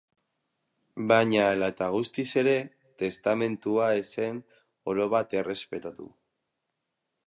Baina hala eta guztiz ere, testamentua ez zen orobat errespetatu.